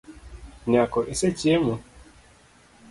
Nyako, isechiemo?